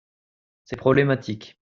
C'est problématique.